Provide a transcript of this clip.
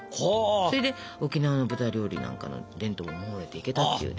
それで沖縄の豚料理なんかの伝統を守れていけたっていうね。